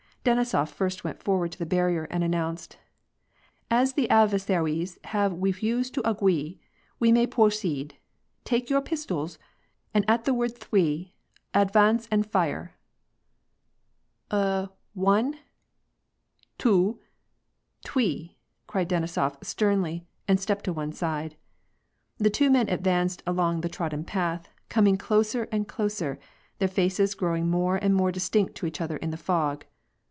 Denisof first went forward to the barrier, and announced :— "As the adve^sa'wies have wefused to agwee, we may pwo ceed. Take your pistols, and at the word thwee, advance and fire." « U — one !— two !— thwee !" cried Denisof sternly, and stepped to one side. The two men advanced along the trod den path, coming closer and closer, their faces growing more and more distinct to each other in the fog.